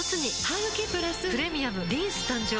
ハグキプラス「プレミアムリンス」誕生